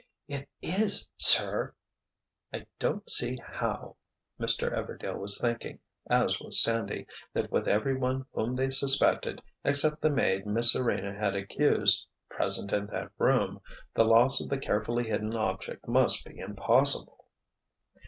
"It is, sir!" "I don't see how—" Mr. Everdail was thinking, as was Sandy, that with everyone whom they suspected, except the maid Miss Serena had accused, present in that room, the loss of the carefully hidden object must be impossible.